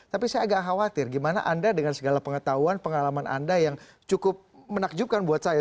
tapi saya agak khawatir gimana anda dengan segala pengetahuan pengalaman anda yang cukup menakjubkan buat saya